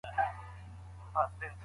املا د استعمال لاره ده.